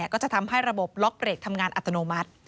ก็จะทำให้ระบบล็อกเบรกทำงานอัตโนมัติ